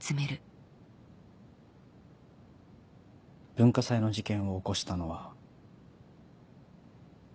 文化祭の事件を起こしたのは。